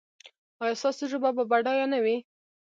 ایا ستاسو ژبه به بډایه نه وي؟